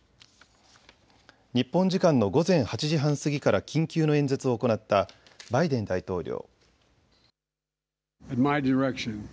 日本時間の午前８時半過ぎから緊急の演説を行ったバイデン大統領。